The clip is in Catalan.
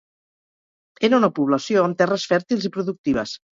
Era una població amb terres fèrtils i productives.